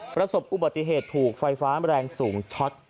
ประสบอุบัติเหตุถูกไฟฟ้าแรงสูงช็อต